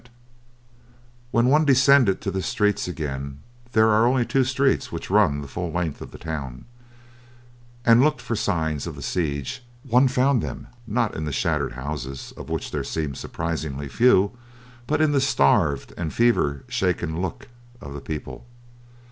[Picture: "Tommies" seeking shelter from "Long Tom" at Ladysmith] When one descended to the streets again there are only two streets which run the full length of the town and looked for signs of the siege, one found them not in the shattered houses, of which there seemed surprisingly few, but in the starved and fever shaken look of the people.